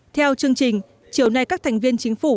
theo chương trình chiều nay các thành viên chính phủ